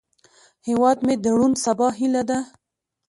هیواد مې د روڼ سبا هیله ده